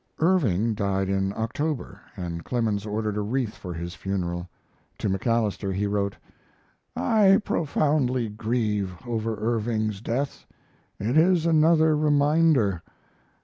Irving died in October, and Clemens ordered a wreath for his funeral. To MacAlister he wrote: I profoundly grieve over Irving's death. It is another reminder.